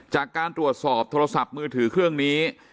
จากการตรวจสอบโทรศัพท์มือถือเครื่องนี้